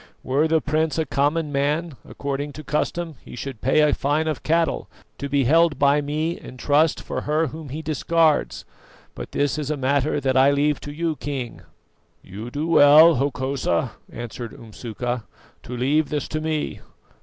Were the prince a common man, according to custom he should pay a fine of cattle to be held by me in trust for her whom he discards; but this is a matter that I leave to you, King." "You do well, Hokosa," answered Umsuka, "to leave this to me.